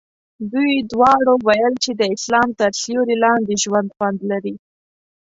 دوی دواړو ویل چې د اسلام تر سیوري لاندې ژوند خوند لري.